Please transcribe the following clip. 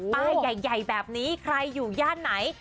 ป้ายใหญ่แบบนี้ใครอยู่ย่านไหน